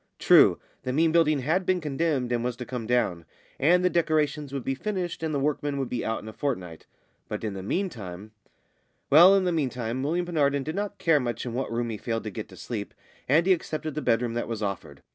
True, the mean building had been condemned and was to come down; and the decorations would be finished and the workmen would be out in a fortnight; but in the meantime Well, in the meantime, William Penarden did not care much in what room he failed to get to sleep, and he accepted the bedroom that was offered.